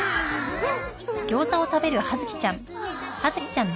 うん！